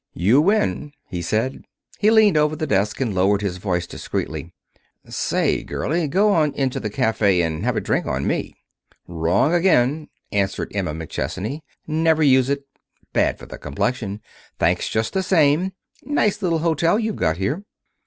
"You win," he said. He leaned over the desk and lowered his voice discreetly. "Say, girlie, go on into the cafe and have a drink on me." "Wrong again," answered Emma McChesney. "Never use it. Bad for the complexion. Thanks just the same. Nice little hotel you've got here."